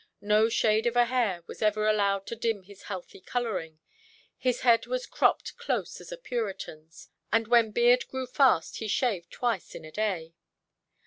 No shade of a hair was ever allowed to dim his healthy colouring, his head was cropped close as a Puritanʼs, and when beard grew fast he shaved twice in a day.